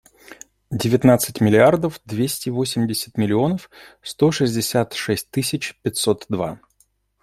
Девятнадцать миллиардов двести восемьдесят миллионов сто шестьдесят шесть тысяч пятьсот два.